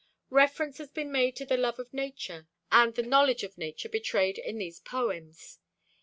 Reference has been made to the love of nature and the knowledge of nature betrayed in these poems.